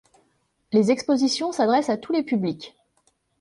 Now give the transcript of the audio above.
Les expositions s'adressent à tous les publics.